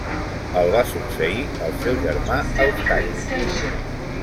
El va succeir el seu germà Eustaqui.